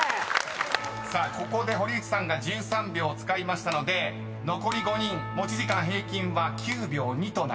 ［さあここで堀内さんが１３秒使いましたので残り５人持ち時間平均は９秒２となります］